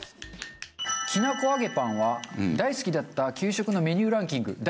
きな粉揚げパンは大好きだった給食のメニューランキング